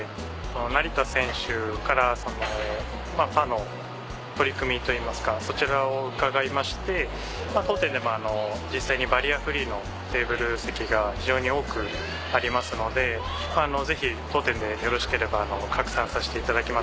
成田選手から「パ」の取り組みといいますかそちらを伺いまして当店でも実際にバリアフリーのテーブル席が非常に多くありますのでぜひ当店でよろしければ拡散させていただきます。